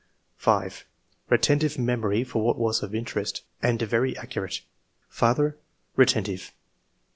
>> 5. "Retentive memory for what was of in terest, and very accurate. " Father — Retentive."